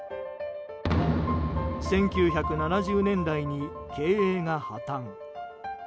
１９７０年代に経営が破綻。